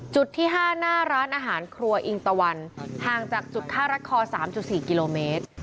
จุดที่๕หน้าร้านอาหารครัวอิงตะวันห่างจากจุดฆ่ารัดคอ๓๔กิโลเมตร